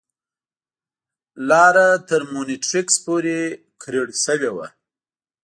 لاره تر مونیټریکس پورې کریړ شوې وه.